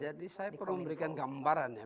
jadi saya perlu memberikan gambaran ya